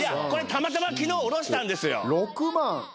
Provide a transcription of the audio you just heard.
たまたま昨日下ろしたんですよ。